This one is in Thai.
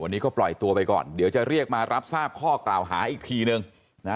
วันนี้ก็ปล่อยตัวไปก่อนเดี๋ยวจะเรียกมารับทราบข้อกล่าวหาอีกทีนึงนะ